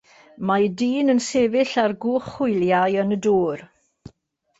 Mae dyn yn sefyll ar gwch hwyliau yn y dŵr.